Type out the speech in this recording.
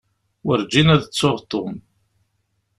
Werǧin ad ttuɣ Tom.